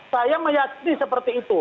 saya meyakini seperti itu